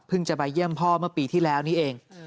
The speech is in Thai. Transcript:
จะไปเยี่ยมพ่อเมื่อปีที่แล้วนี้เอง